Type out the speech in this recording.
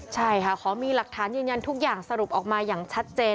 ใช่ค่ะขอมีหลักฐานยืนยันทุกอย่างสรุปออกมาอย่างชัดเจน